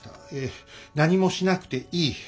・何もしなくていい。